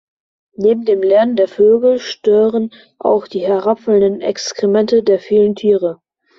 Neben dem Lärm der Vögel stören auch die herabfallenden Exkremente der vielen Tiere.